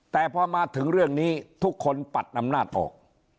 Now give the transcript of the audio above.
แต่พอมาถึงเรื่องนี้ทุกคนปัดอำนาจออก